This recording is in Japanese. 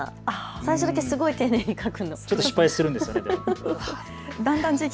最初だけすごく丁寧に書く。